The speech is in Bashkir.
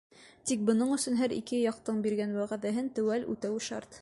Тик бының өсөн һәр ике яҡтың биргән вәғәҙәһен теүәл үтәүе шарт.